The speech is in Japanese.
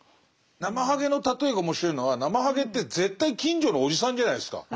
ナマハゲの例えが面白いのはナマハゲって絶対近所のおじさんじゃないですか。